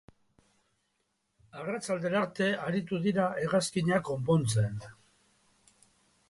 Arratsaldera arte aritu dira hegazkina konpontzen.